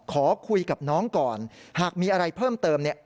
ขอคุยกับน้องก่อนหากมีอะไรเพิ่มเติมเนี่ย